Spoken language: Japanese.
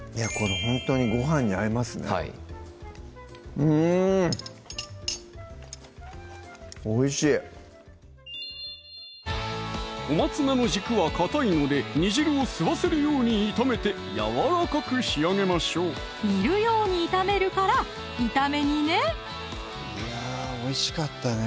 うんおいしい小松菜の軸はかたいので煮汁を吸わせるように炒めてやわらかく仕上げましょう煮るように炒めるから炒め煮ねいやおいしかったね